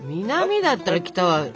南だったら北は。